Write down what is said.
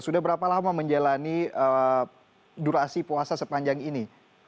sudah berapa lama menjalani durasi puasa sepanjang ini